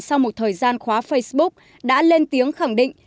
sau một thời gian khóa facebook đã lên tiếng khẳng định